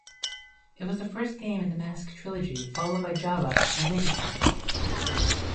It was the first game in the Mask Trilogy, followed by "Java" and "Mexica".